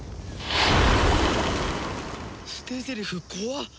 捨てゼリフ怖っ！